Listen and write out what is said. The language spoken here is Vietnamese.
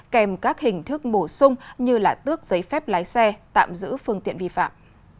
kèm các hình thức bổ sung như tước giấy phép lái xe tạm giữ phương tiện vi phạm